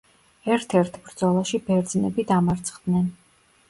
ერთ-ერთ ბრძოლაში ბერძნები დამარცხდნენ.